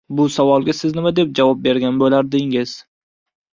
Bu savolga siz nima deb javob bergan boʻlardingiz?